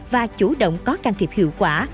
và chủ động có can thiệp hiệu quả